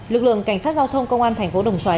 lực lượng cảnh sát giao thông công an thành phố đồng xoài